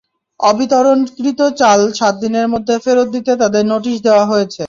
অবিতরণকৃত চাল সাত দিনের মধ্যে ফেরত দিতে তাঁদের নোটিশ দেওয়া হয়েছে।